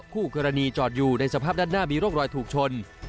คู่กรณีจอดอยู่ในสภาพด้านหน้ามีร่องรอยถูกชน